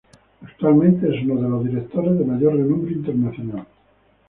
Actualmente, es uno de los directores de mayor renombre internacional.